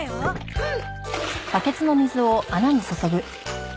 うん。